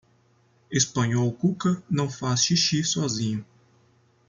Espanhol Cuca não faz xixi sozinho.